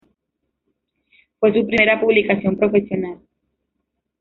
Fue su primera publicación profesional.